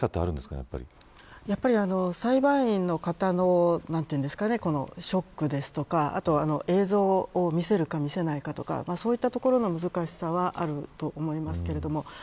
やっぱり裁判員の方のショックですとか映像を見せるか見せないかとかそういったところの難しさはあると思いますけれども。